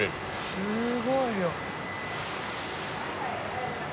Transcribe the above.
すごい量。